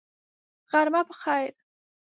غرمه په خیر !